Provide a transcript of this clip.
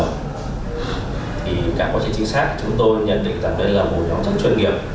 thì cả quá trình chính xác chúng tôi nhận định rằng đây là một nhóm chất chuyên nghiệp